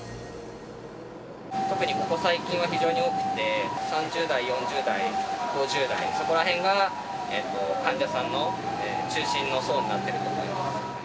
特にここ最近は非常に多くて、３０代、４０代、５０代、そこらへんが患者さんの中心の層になってると思います。